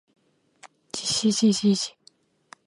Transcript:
じじじじじ